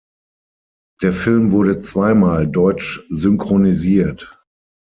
Der Film wurde zweimal deutsch synchronisiert.